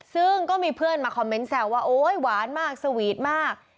ซึ่งก็มีเพื่อนมาคอมเมนต์แซวว่าโอ๊ยหวานมากสวีทมาก